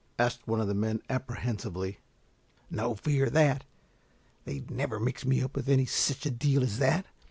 asked one of the men apprehensively. "No fear of that. They'd never mix me up with any such deal as that.